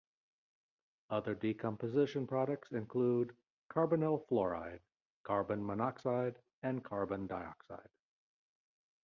Other decomposition products include carbonyl fluoride, carbon monoxide and carbon dioxide.